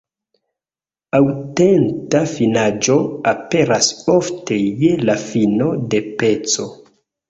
Aŭtenta finaĵo aperas ofte je la fino de peco.